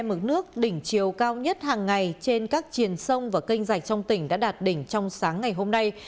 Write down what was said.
mức nước đỉnh chiều cao nhất hàng ngày trên các triền sông và kênh dạch trong tỉnh đã đạt đỉnh trong sáng ngày hôm nay